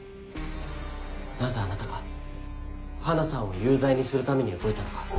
なぜあなたが花さんを有罪にするために動いたのか。